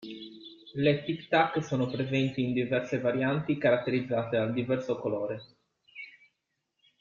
Le tic tac sono presenti in diverse varianti caratterizzate dal diverso colore.